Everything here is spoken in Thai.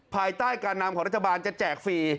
ภายใต้การนำของรัฐบาลจะแจกฟรี